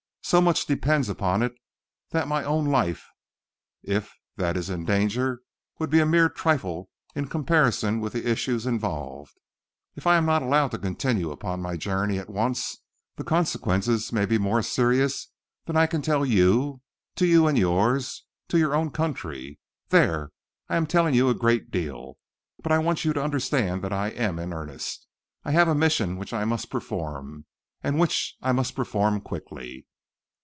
So much depends upon it that my own life, if that is in danger, would be a mere trifle in comparison with the issues involved. If I am not allowed to continue upon my journey at once, the consequences may be more serious than I can tell you, to you and yours, to your own country. There! I am telling you a great deal, but I want you to understand that I am in earnest. I have a mission which I must perform, and which I must perform quickly."